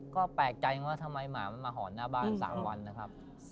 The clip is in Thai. ก็แปลกใจว่าทำไมหมามันมาหอนหน้าบ้าน๓วันนะครับ